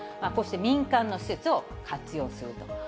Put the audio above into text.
こうして、民間の施設を活用すると。